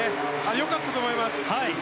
良かったと思います。